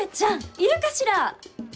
いるかしら？